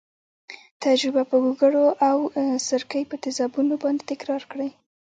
تجربه په ګوګړو او سرکې په تیزابونو باندې تکرار کړئ.